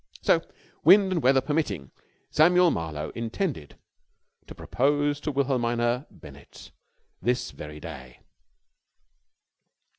So, wind and weather permitting, Samuel Marlowe intended to propose to Wilhelmina Bennett this very day.